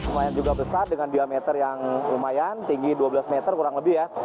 lumayan juga besar dengan diameter yang lumayan tinggi dua belas meter kurang lebih ya